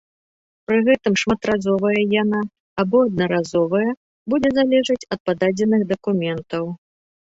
Пры гэтым шматразовая яна або аднаразовая будзе залежаць ад пададзеных дакументаў.